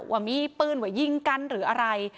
ว่ามีปืนว่ายิงกันหรืออะไร